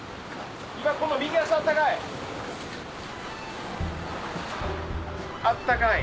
今この右足あったかい。